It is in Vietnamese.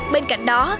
bên cạnh đó